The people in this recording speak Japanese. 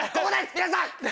皆さん！